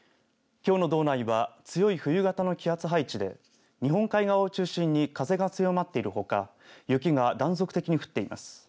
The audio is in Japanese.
きょうの道内は強い冬型の気圧配置で日本海側を中心に風が強まっているほか雪が断続的に降っています。